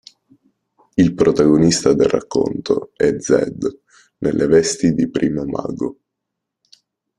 Il protagonista del racconto è Zedd, nelle vesti di Primo Mago.